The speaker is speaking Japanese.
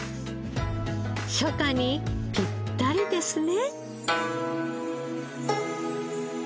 初夏にピッタリですね。